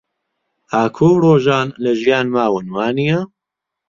ئاکۆ و ڕۆژان لە ژیان ماون، وانییە؟